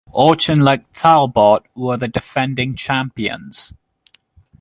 Auchinleck Talbot were the defending champions.